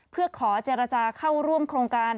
เพื่อขอเจรจาเข้าร่วมโครงการ